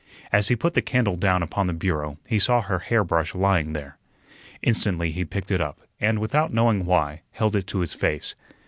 As he put the candle down upon the bureau he saw her hairbrush lying there. Instantly he picked it up, and, without knowing why, held it to his face.